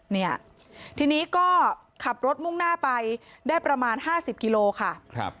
เนี่ยทีนี้ก็ขับรถมุ่งหน้าไปได้ประมาณ๕๐กิโลค่ะ